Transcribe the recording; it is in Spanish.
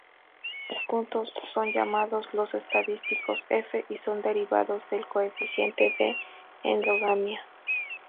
Juntos, son llamados los estadísticos F, y son derivados del coeficiente de endogamia.